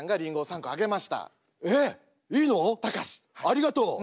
「ありがとう。